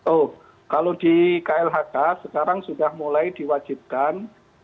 oh kalau di klhk sekarang sudah mulai diwajibkan